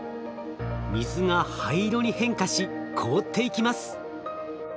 水が灰色に変化し凍っていきます。